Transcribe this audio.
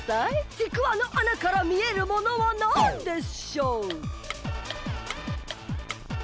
ちくわのあなからみえるものはなんでしょう？